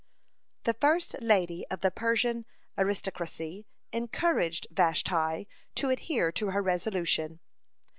'" (36) The first lady of the Persian aristocracy encouraged Vashti to adhere to her resolution.